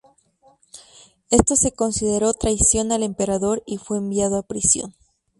Esto se consideró traición al emperador y fue enviado a prisión.